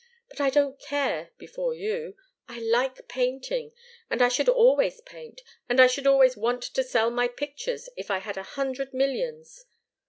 But I don't care before you I like painting, and I should always paint, and I should always want to sell my pictures, if I had a hundred millions.